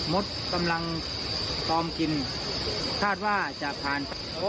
มดตำลังพร้อมกินคาดว่าจะพัน